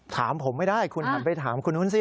ถามผมไม่ได้คุณหันไปถามคนนู้นสิ